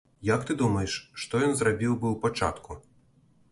Як ты думаеш, што ён зрабіў бы ў пачатку?